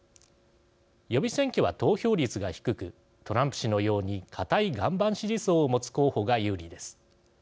予備選挙は投票率が低くトランプ氏のように固い岩盤支持層を持つ候補が有利です。